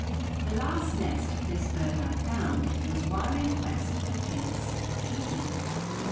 The last nest of this bird I found was while in quest of the pink cypripedium.